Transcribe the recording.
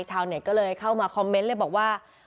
ชาวเน็ตก็เลยเข้ามาคอมเมนต์เลยบอกว่า